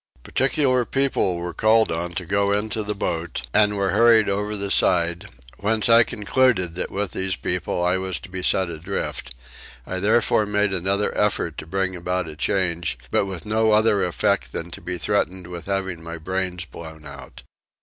Particular people were called on to go into the boat and were hurried over the side; whence I concluded that with these people I was to be set adrift: I therefore made another effort to bring about a change but with no other effect than to be threatened with having my brains blown out.